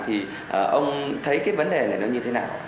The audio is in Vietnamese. thì ông thấy cái vấn đề này nó như thế nào